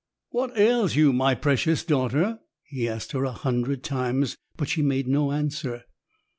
"What ails you, my precious daughter?" he asked her a hundred times, but she made no answer.